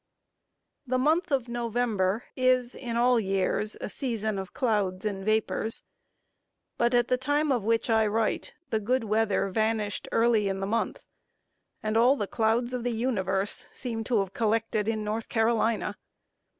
The month of November is, in all years, a season of clouds and vapors; but at the time of which I write, the good weather vanished early in the month, and all the clouds of the universe seemed to have collected in North Carolina.